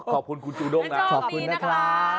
ขอบคุณคุณจูด้งนะขอบคุณนะครับ